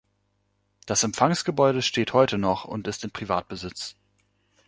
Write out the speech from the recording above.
Das Empfangsgebäude steht heute noch und ist in Privatbesitz.